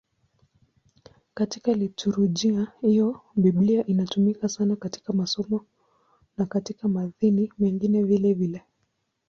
Katika liturujia hiyo Biblia inatumika sana katika masomo na katika matini mengine vilevile.